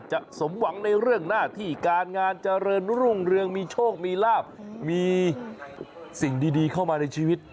สมหวังในเรื่องหน้าที่การงานเจริญรุ่งเรืองมีโชคมีลาบมีสิ่งดีเข้ามาในชีวิต